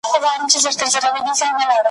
ساندي ګډي په بلبلو په باغوان اعتبار نسته `